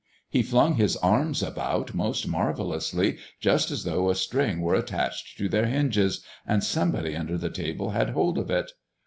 He flung his arms about most marvellously, just as though a string were attached to their hinges, and somebody under the table had hold of it.